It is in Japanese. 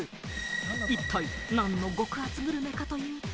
一体、何の極厚グルメかというと。